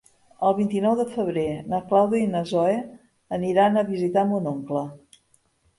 El vint-i-nou de febrer na Clàudia i na Zoè aniran a visitar mon oncle.